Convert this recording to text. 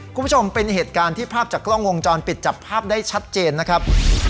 คุณผู้ชมเป็นเหตุการณ์ที่ภาพจากกล้องวงจรปิดจับภาพได้ชัดเจนนะครับ